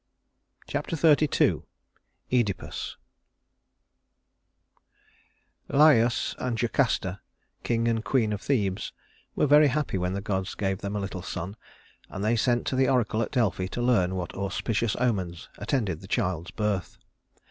Chapter XXXII Œdipus Laius and Jocasta, king and queen of Thebes, were very happy when the gods gave them a little son, and they sent to the oracle at Delphi to learn what auspicious omens attended the child's birth.